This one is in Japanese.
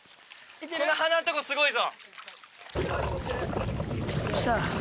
この花のとこすごいぞ。